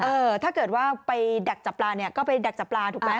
ถ้าเกิดว่าไปดักจับปลาเนี่ยก็ไปดักจับปลาถูกไหม